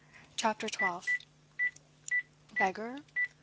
CHAPTER TWELFTH. Beggar?